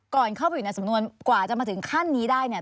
ก่อนเข้าไปอยู่ในสำนวนกว่าจะมาถึงขั้นนี้ได้เนี่ย